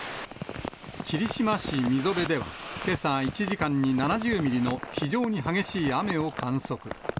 霧島市溝部ではけさ、１時間に７０ミリの非常に激しい雨を観測。